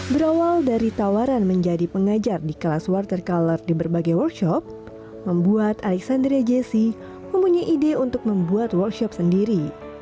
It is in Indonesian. berawal dari tawaran menjadi pengajar di kelas water color di berbagai workshop membuat alexandria jesse mempunyai ide untuk membuat workshop sendiri